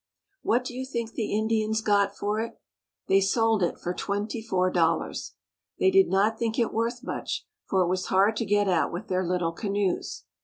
What do you think the Indians got for it? They sold it for twenty four dol lars. They did not think it worth much, for it was hard to get at with their little canoes.